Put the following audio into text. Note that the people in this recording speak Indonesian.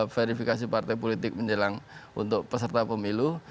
verifikasi partai politik menjelang untuk peserta pemilu